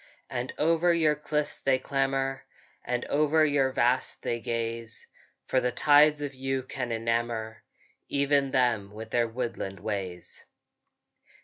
And over your cliffs they clamber, And over your vast they gaze; For the tides of you can enamour Even them with their woodland ways.